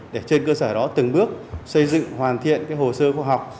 để trên cơ sở đó từng bước xây dựng hoàn thiện hồ sơ khoa học